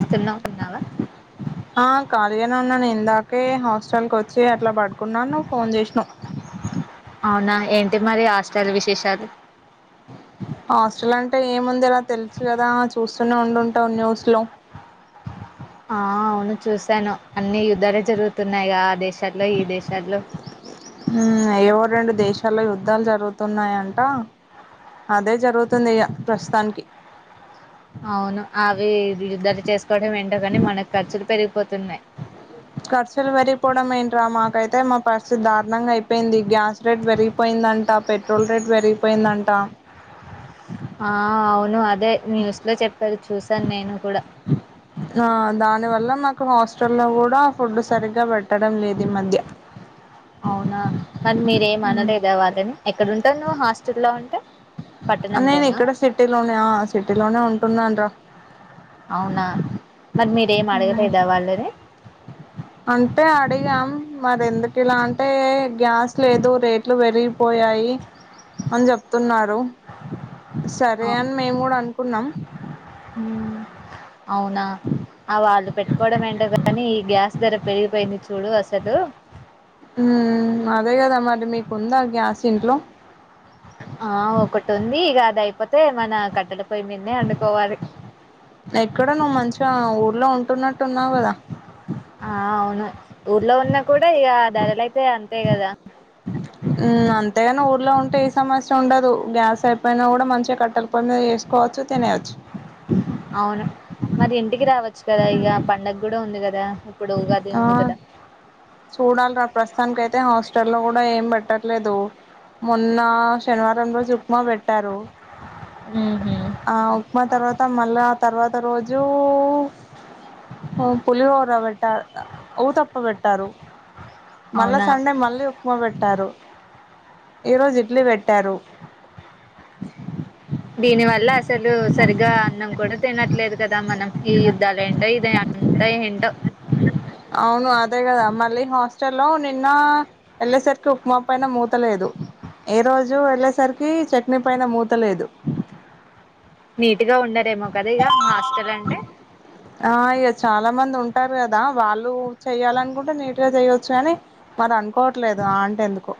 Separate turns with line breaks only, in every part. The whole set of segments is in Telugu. చేస్తున్నావ్ ఉన్నావా
ఆ కాలగానా ఉన్నా న ఎందాకే హస్ హష్టల్కి వచ్చి అట్లా పట్టుకున్నాను ఫోన్ చేసా
అవునా ఏంటి మరి హాస్టల్ విశేషాలు
హాస్టల్ అంటే ఏముంది ఇలా తెలుసు కదా చూస్తూనే ఉండుంటావు న్యూస్ లో
ఆ అవును చూశాను అన్ని యుద్ధాలే జరుగుతున్నాయిగా ఆ దేశం దేశాల్లో ఈ దేశాల్లో
ఏవో రెండు దేశాల్లో యుద్ధాలు జరుగుతున్నాయంట అదే జరుగుతుంది ఇక ప్రస్తుతానికి
అవును అవి ధర చేసుకోవడంం ఏంటో కాని మనకు ఖర్చులు పెరిగిపోతున్నాయి్
కరచల్ వరి పోడమేంటమా కయితే మా ప దారుణంగా అయిపోయింది గ్యాస్ రేట్ పెరిగిపోయిందంట పెట్రోల్ రేట్ పెరిగిపోయిందంట
అది చూసాను నేను కూడా
ఆ దాని వల్ల మాకు హాస్టల్లో కూడా ఫుడ్ సరిగ్గా పెట్టడం లేదు ఈ మధ్య
అవునా మరి మీరేం
ఉమ్.
అనలేద వాళ్ళని ఎక్కడుంటవు నువ్వు హాస్టల్ లో అంటే
ఆ నేను ఇక్కడ సిటీలోనే సిటీ లోనే ఉంటున్నాన్ టా
అవునా మరి మీరేం అడగలేదా వాళ్ళని
అంటే అడిగాం మరి ఎందుకు ఇలా అంటే, గ్యాస్ లేదు రేట్లు పెరిగిపోయాయి అని చెప్. తున్నారు. సరే అని మేము కూడా అనుకున్నాం.
హ్మ్ అవునా ఆ వాళ్ళు పెట్టుకోవడం ఏంటో గానీ ఈ గ్యాస్ ధర పెరిగిపోయింది చూడు అసలు
హుమ్ అదే కదా మరి మీకు ఉందాన్
ఆ ఒకటి ఉంది ఇగ ద్ ఇది అయిపోతే మన కట్టెలు
ఎక్కడ నువ్వు మంచిగా ఊర్లో ఉన్ టున్నట్టు ఉన్నావ్ కదా
ఆ అవును ఊర్లో ఉన్నా కూడా ఇక ధరలైతే అంతే కదా
అంతేగాని ఊర్లో ఉంటే ససం ఉండదు గ్యాస్ పైన కూడా మంచిగా కట్టెల ప చే కోచ్చ తనేచ్చు
అవును మరి ఇంటికి రావచ్చు కదా ఇక పండగ కూడా ఉంది కదా ఇప్పుడుగాదే ఉంది కదా
చూడాలి నా ప్రస్తుతానినికి అయితే హాస్టల్లో లో కూడా ఏం పట్టారు లేదు మొన్న శనివారం రోజు ఉప్మా పెట్టారు
ఉహు
ఆ ఉప్మా తర్వాత మళ్ళా ఆ తర్వాత రోజు పులి హోర బెట్టా తప్ప బెట్టా మళ్ళా
అవునా
సండే మళ్ళీ ఉప్మా పెట్టారు ఈ రోజు ఇట్లు పెట్టారు
దీని వల్ల అసలు సరిగా అన్నం కూడా తినట్లేదు కదా ఇ మనం ఈ యుద్ధాలు ఏంట ఎంత ఎంట
అవును అదే కదా మళ్ళీ హాస్టల్లో నిన్న వెళ్ళేసరికి ఉప్మా పైన మూతలేదు ఏ రోజు రోజు వెళ్ళేసరికి చట్నీ పైన మూతలేదు.
నీట్ గా ఉండ దెమో కదా ఇగా హాస్టల్ అంటే
ఆ ఇగ చాలా మంది ఉంటారు కదా వాళ్ళు చెయ్యాలనుకుంటే నీట్గా చెయ్యొచ్చు. కాని మరి అనుకోవట్లేదు ఆ అంటే ఎందుకో.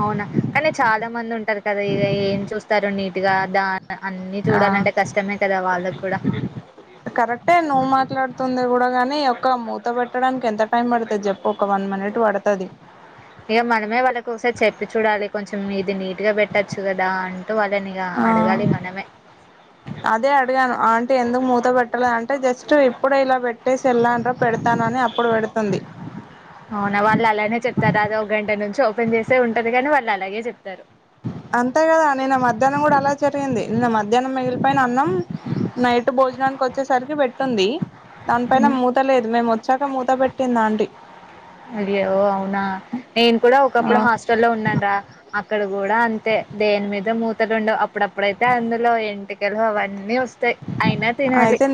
అవునా కానీ చాలా మంది ఉం టరు కదా ఇగ ఏం చూస్తారు నీట్గా దా అన్ని
ఆ
చూడాలంటే కష్టమే కదా వాళ్ళకు కూడా.
తుంది కూడా గాని ఒక మూత పెట్టడానికి ఎంత టైం పడుతది చెప్పు ఒక వన్ మినిట్ పడుతది.
ఇగ మనమే వాళ్ళకి ఒకసారి చెప్పి చూడాలి కొంచెం ఇది నీ
ఆ
అడగాలి మనమే
అదే అడిగాను. ఆంటీ ఎందుకు మూత పెట్టలే అంటే జ స్ట్ ఇప్పుడు ఇలా పెట్టేసి ఎల్లానురా పెడతానని అప్పుడు పెడుతుంది.
అవునా వాళ్ళు అలానే చెప్తారు. అది ఒక గంట నుంచి ఓపెన్ చేసే ఉంటది కాని వాళ్ళు అలాగే చెప్తారు.
అంతే కదా నిన్న మధ్యాహ్నం కూడా అలా జరిగింది. నిన్న మధ్యాహ్నం మిగిలిపోయిన అన్నం నైట్ భోజనానికి వచ్చేసరికి పెట్టుంది. దాని పైన
హ్మ్.
మూత లేదు మేము వచ్చాక మూత పెట్ పెట్టింది ఆంటీ.
అయ్యో అవునా. నేను కూడా
ఆ
ఒకప్పుడు హాస్టల్లో ఉన్నాను రా. అక్కడు కూడా అంతే దేని మీద మూతలు ఉండవు. అప్పుడప్పుడైతే అందులో ఎంటికలు అవన్నీ వస్
అయితే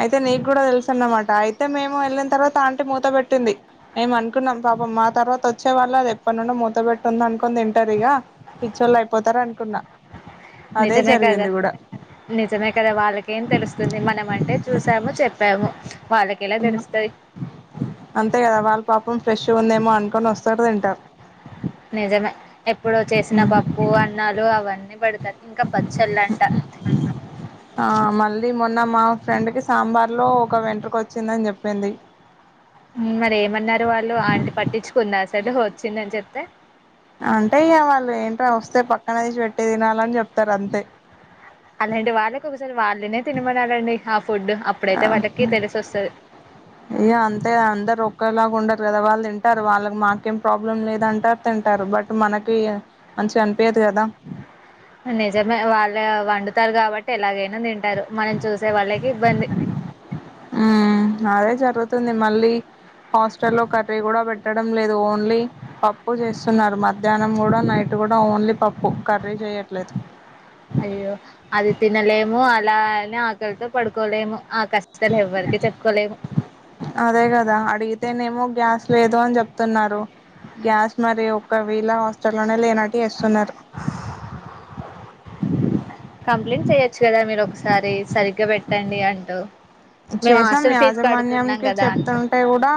అయితే నీ కూడా తెల్సు అన్నమాట అయితే మేము వెళ్ళిన తర్వాత ఆంటీ మూత పెట్టింది. మేము అనుకున్నాం పాపం మా తర్వాత వచ్చే వాళ్ళు అది ఎప్పటి నుండో మూత పెట్టుంది అనుకు కొని తింటరు ఇగా పిచ్చోళ్ళు అయిపోతరు అనుకున్నా, అదే
నిజమే కదా
జరిగింది కూడా.
నిజమే కదా వాళ్ళకేం తెలుస్తుంది. మనం అంటే చూసాము, చెప్పాము. వాళ్ళే
హ్ అంతే కదా వాళ్ళు పాపం ఫ్రెష్గుందేమో అనుకొని వస్ [inaudible] తింటారు
నిజమే ఎప్పుడో చేసిన పప్పు, అన్నాలు అవ [unintelligible]
ఆ మళ్ళీ మొన్న మా ఫ్రెండ్ కి సాంబార్ లో ఒక వెంట్రుక వచ్చిందని చెప్పింది.
మరి ఏమన్నారు వాళ్ళు. ఆంటి పట్టించుకుందా అసలు వచ్చిందని చెప్తే.
అంటే ఇగ అలాని చెప్తరు అంతే.
అలాంటి వాళ్ళకి వాళ్ళనే తినమనాలండి అప్
ఆ ఇగా అంతే అందరు ఒకలా ఉండరు కదా వాళ్ళు తింటారు. వాళ్ళకి మాకేం ప్రాబ్లం లేదు అంటారు తింటారు. బట్ మనకి మంచిగా అనిపయదు కదా.
నిజమే వాళ్ళు వండుతారు కాబట్టి ఎలాగై నా తింటారు. మనం చూసే వాళ్ళకి ఇబ్బంది.
జరుతుంది మళ్ళీ హాస్టల్ లో కర్రీ కూడా పెట్టడం లేదు ఓన్లీ పప్పు చేస్తున్నారు మధ్యాహ్నం కూడా నైట్ కూడా ఓన్లీ పప్పు కర్రీ చేయట్లేదు
అయ్యో అది తినలేము అది ఎలా ఆకలితో పడుకోలేము ఆ కష్టాలు ఎవ్వరికి చెప్పుకోలేము
అదే కదా అడిగితేనేమో గ్యాస్ట్ లేదు అని చెప్తున్నారు గ్యాస్ మరి ఒక వీళ హాస్టల్ లోనే లేనట్
కంప్లైంట్ చెయొచ్చు కదా మీరు ఒకసారి సరిగ్గా పెట్టండి అంటూ మేము
చేసాం
హాస్టల్ ఫీజు
యాజమాన్యా
కడుతున్నాం
క
కదా అంటూ
చెప్తుంటే కూడా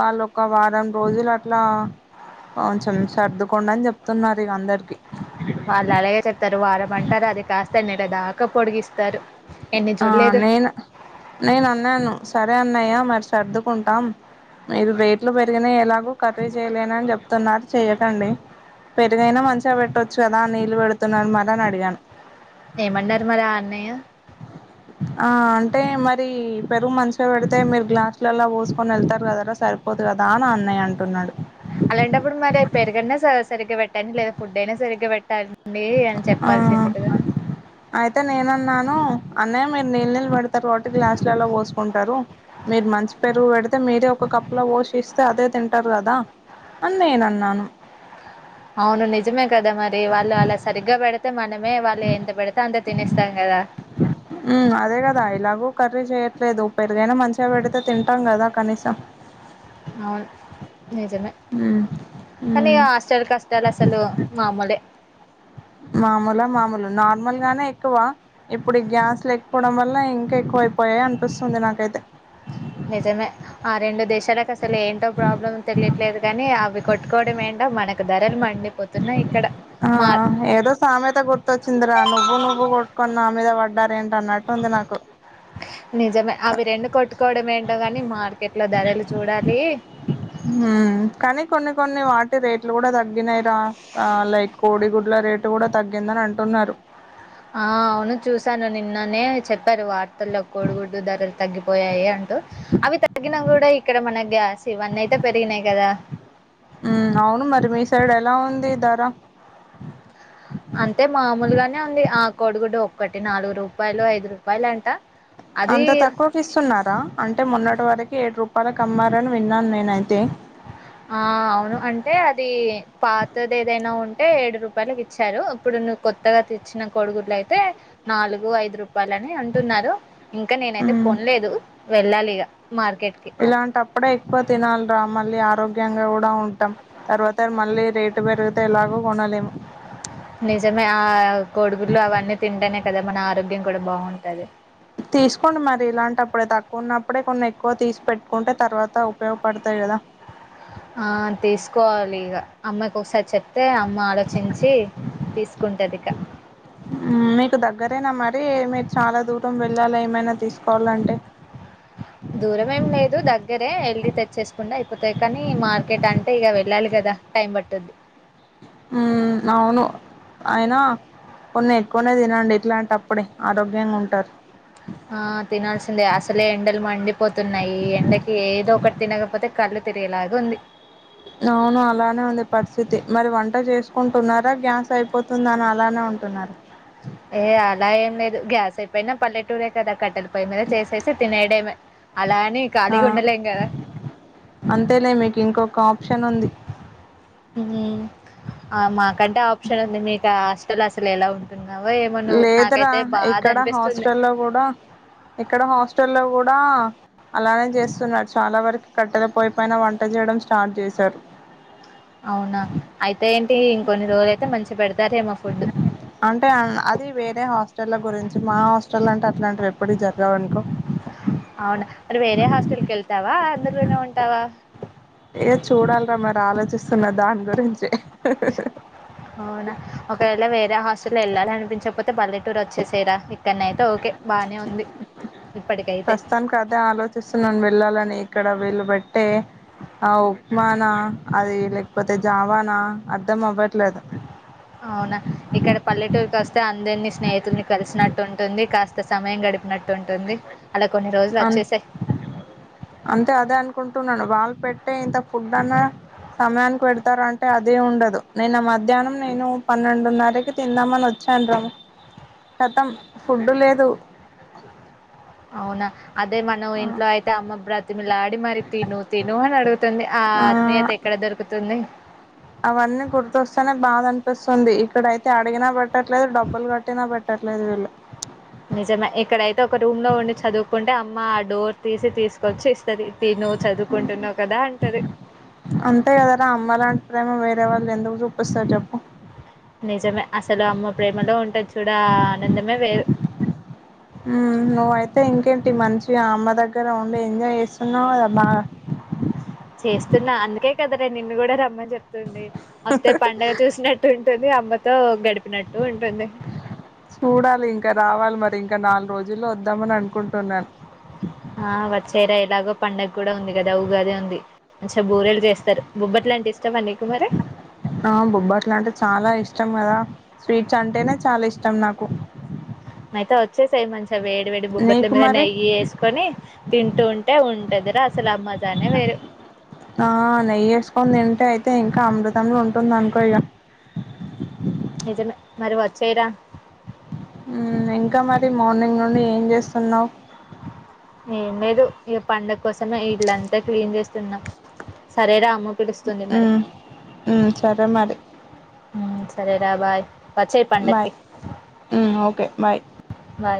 వాళ్ళొ ఒక వారం రోజులు లా [unintelligible] డని చెప్తున్నారు ఇక అందరి
వాళ్ళు అలాగే చెప్తారు వాారమంటారు అది కాస్త దన్నిల దాకా పొడిగిస్తారు ఎన్ని
ఆ
చూడలేదు
నేను నేను అన్నాను సరే అన్నయా మర్చ సర్దుకుంటాం మీరు రేట్లు పెరిగినా ఎలాగో కర్రీ చేయలేన అని చెప్తున్నారు చెయ్యకండి పెరిగైనా మంచిగా పెట్టొచ్చు కదా నీళ్ళు పెడుతున్నారు మర అని అడిగాను
ఏమన్నారు మరి అన్నయ్య
ఆ అంటే మరీ పెరుగు మంచిగా పెడితే మీరు గ్లాసులలా పోసుకొని వెళ్తారు కదరా సరిపోదు కదా అని అన్నయ్య అంటున్నాడు
అలాంటప్పుడు మరి పేరు గన్నా సరిగ్గా పెట్ట పె లే ఫుడ్ అనా సరి పెట్టాల
ఆ అయితే నేన్నాను అన్నయ్య మీరు నీళ్ళు నీళ్ళు పెడతారుబట్టి గ్లాసులలో పోసుకుంటారు మీరు మంచి పెరుగు పెడితే మీరే ఒక కప్లో పోసిస్తే అదే తింటారు కదా అని నేను అన్నాను
అవును నిజమీ కద మరి వాళ్ళు అలా సరిగ్గా పెడ ఇత మనమే వాళ్ళ ఎంత పెడతా అంత తినేస్తాం గదా
ఉమ్ అదే గదా ఎలాగో కర్రీ చేయట్లేదు ఉ పెరుగైనా మంచి ఇంత పెడితే తింటాం గదా కనీసం
అవును నిజమే
ఉమ్
కనీ
ఉమ్
హస్టల్ కష్టాలు అసలు మామూలే
మామూలా మామూలు నార్మల్ గానే ఎక్కువ ఇప్పుడు గ్యాస్ లేకపోవడం వల్ల ఇంకా ఎక్కువయిపోయాయి అనిపిస్తుంది నాకైతే
నిజమే ఆ రెండు దేశాలకు అసలు ఏంటో ప్రాబ్లం తెలియట్లేదు గానీ అవి కొట్టుకోవడం ఏంటో మనకు ధరలు మండిపోతున్నాయి ఇక్కడ
ఆ
మార్
ఏదో సామెత గుర్త వచ్చింద్ర నువ్వు నువ్వు కొట్కొ నా మీద ధర ఎంతన్నాడ్
నిజమే అవి రెండు కొట్టుకోవడం ఏంటో కాని మార్కెట్లో ధరలు చూడాలి
హుమ్ కానీ కొన్ని కొన్ని వాటి రేట్లు కూడా తగ్గినాయిరా లైక్ కోడి గుడ్ల రేటు కూడా తగ్గిందని అంటున్నారు
ఆ అవును చూశాను నిన్ననే చెప్పారు వార్తల్లో కోడిగుడ్డు ధరలు తగ్గిపోయాయి అంటూ అవి తగ్గిన గూడా ఇక్కడ మన గ్యాస్ ఇవన్నీ అయితే పెరిగినాయి కదా
ఉ అవును మరి మీ సైడ్ ఎలా ఉంది ధర
కోడుగుడ్డు ఒక్కటి నాలుగు రూపాయలు ఐదు రూపాయలు అంట అది
అంత తక్కువకి ఇస్తున్నారా అంటే మొన్నటి వరకు ఏడ్ రూపాయలు కమ్మారని విన్నాను నేనైతే
ఆ అవును అంటే అది పాతదేదైనా ఉంటే ఏడు రూపాయకి ఇచ్చారు ఇప్పుడు నువ్వు కొత్తగా తెచ్చిన కొడుగుడ్లు అయితే నాలుగు ఐదు రూప వాళ్లనే అంటున్నారు ఇంకా నేనైతే
హ్మ్
కొనలేదు వెళ్లాలిగా
ఇలాంటప్పుడే ఎక్కువ తినాలిరా మళ్ళీ ఆ ఆరోగ్యంగా కూడా ఉంటాం తర్వాత మళ్ళీ రేటు పెరిగితే ఎలాగో కొనలేము
నిజమే ఆ కోడిగుడ్లు అవన్నీ తింటానే కదా మన ఆరోగ్యం కూడా బాగుంటది
తీసుకోండి మరి ఇలాంట అప్పుడే తక్కువ ఉన్నప్పుడే కొన్ని ఎక్కువ తీసి పెట్టుకుంటే తర్వాత ఉపయోగపడతాయి కదా
ఆ తీసుకోవాలి ఇగ అమ్మకి ఒకసారి చెప్ప అతే అమ్మ ఆలోచించి తీసుకుంటది ఇక
మ్మ్, మీకు దగ్గరేనా మరి మీరు చాలా దూరం వెళ్ళాలే
దూరం ఏం లేదు దగ్గరే వెళ్ళి తెచ్చేసుకుండా అయిపోతాయి కానీ మార్కెట్ అంటే అంటే ఇక వెళ్ళాలి గదా టైం పట్టుద్ది
అవును అయినా కొన్ని ఎక్కువనే తినండి ఇట్లాంట అప్పుడే ఆరోగ్యంగా ఉంటారు
ఆ తినాల్సిందే అసలే ఎండలు మండిపోతున్నాయి ఈ ఎండకి ఏదో ఒకటి తినకపోతే కళ్ళు తిరిగేలాగా ఉంది
అవును అలానే ఉంది పరిస్థితి మరి వంట చేసుకుంటున్నారా గ్యాస్ అయిపోతుంది అని అలానే ఉంటున్నారా
ఏ అలా ఏం లేదు గ్యాస్ సపోయినా పల్లెటూరకా కట్టలు పయ మీద చేసేసి తినేడేమే అలా అని ఖాళీగా
ఆ,
ఉండలేం కదా
అంతేలే మీకు ఇంకొక ఆప్షన్ ఉంది
ఆ మాకంటే ఆప్షన్ ఉంది మీకు హాస్టల్ అసలు ఎలా ఉంటుంది
లేదురా ఇక్కడ
అనిపిస్తుంది
హాస్టల్లో కూడా ఇక్కడ హాస్ట హట లో కూడా అలానే చేస్తున్నారు చాలా వరకు కట్టెల పోయిపోయినా వంట చేయడం స్టార్ట్ చేశారు
ఇంకోన్ని రోజులు అయితే మంచి పెడుతూ
అంటే అది వేరే హాస్టల్ల గురించి మా హాస్టల్ అంటే అట్లాంటి రేపు ఎప్పుడి జగ అకు
అందరులోనే ఉంటావా
ఏ చూడాలరా మరి ఆలోచిస్తున్న దాని గురించి
అవునా ఒకవేళ వే ఆ హాస్టల్ల్లో వెళ్లాలి అనిపించకపోతే పల్లెటూరు వచ్చేసేయ్ రా కన్నా అయితే ఓకే బానే ఉంది ఇప్పటికైతే
ప్రస్తుతానికి అదే ఆలోచిస్తున్నాను వెళ్ళాలని ఇక్కడ వీలుబట్టే ఆ ఉప్మా నా అది లేకపోతే జావానా అర్ధం అవ్వట్లేదు
అవునా ఇక్కడ పల్లెటూరుకి వస్తే అందరినీ స్నేహితుల్ని కలిసినట్టు ఉంటుంది కాస్త సమయం గడిపినట్టు టుంది అలా కొన్ని రోజులు
అ
వచ్చేసేయ్
అంతే అదే అనుకుంటున్నాను వాళ్ళు పెట్టే ఇంత ఫుడ్ అన్నా సమయానికి పెడతార అంటే అదే ఉండదు నేను మధ్యాహ్నం నేను పన్నెండున్నరకి తిందామని వచ్చాను రము కతం ఫుడ్డు లేదు
అవునా అదే మనం ఇంట్లో అయితే అమ్మ బ్రతినులాడి మరి తిను తిను అని అడుగుతుంది ఆ ఆత్మీయత ఎక్కడ దొరుకుతుంది
అవన్నీ అడుగినా
నిజమే ఇక్కడయితే ఒక రూమ్ లో ఉండి చదువుకుంటే అమ్మ ఆ డోర్ తీసి తీసుకొచ్చి ఇస్తుంది
ఉమ్ అంతే కదరా అమ్మ లాంటి ప్రేమ వేరే రే వాళ్ళు ఎందుకు చూపిస్తారు చెప్పు
నిజమే. అసలు అమ్మ ప్రేమలో ఉంటది చూడ ఆనందమే వే
ఉమ్ నువ్వయితే ఇంకేంటి మంచి అమ్మ దగ్గర ఉండి ఎంజాయ్ చేస్తున్నావు అద బాగా
చేస్తున్నా అందుకే కద రే నిన్ను కూడా రమ్మని చెప్తుంది వస్తే పడుగ చూసినట్టు ఉంటుంది అ అబతే
చూడాలి ఇంకా రావాలి మరి ఇంకా ఇంక నాలుగు రోజుల్లో వద్దామని అనుకుంటున్నాను
ఆ వచ్చయరా ఎలాగో పంండగ కూడా ఉంది కదా ఉగాదే ఉంది మంచిగా బూరేలు చేస్తారు
ఆ బొబ్బట్లు అంటే చాలా ఇష్టం కదా స్వీట్స్ అంటేనే చాలా ఇష్టం నాకు
అయితే వచ్చేసయి మంచిగా వేడి వేడి బొబ్బట్ల
నీకు
మీద
మరి
నెయ్యి వేసుకొని తింటూ ఉంటే ఉంట దిరా
ఆ నెయ్యి వేసుకొని తింటే అయితే ఇంకా అమృతములు ఉంటు అనుకో ఇగ్గా
నిజమే మరి వచ్చేయరా
ఉమ్ ఇంకా మరి మార్నింగ్ నుండి ఏం చేస్తున్నావు
ఏం లేదు ఈ పండగ కోసమే ఇళ్లంతా క్లీన్ చేస్తున్నాం సరేరా అమ్ము పడిస్తుంది మరి
మ్మ్, మ్మ్, సరే మరి
సరేరా బాయ్ వచ్చేయి
బాయ్
పండక్కి
ఉమ్ ఓకే బాయ్
బాయ్